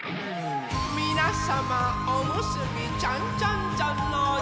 みなさま「おむすびちゃんちゃんちゃん」のじかんです。